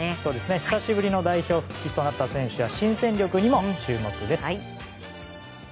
久しぶりの代表復帰となった選手や新戦力にも注目です。